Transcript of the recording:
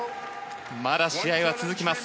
まだ試合は続きます。